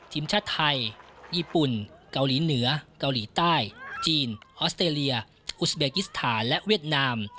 ทีมชาติไทยญี่ปุ่นเกาหลีเหนือเกาหลีใต้จีนออสเตรเลียอุสเบกิสถานและเวียดนาม